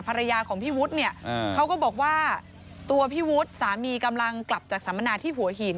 ภรรยาของพี่วุฒิเนี่ยเขาก็บอกว่าตัวพี่วุฒิสามีกำลังกลับจากสัมมนาที่หัวหิน